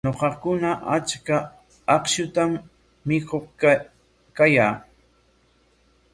Ñuqakuna achka akshutam mikuq kayaa.